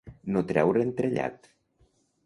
No treure'n trellat.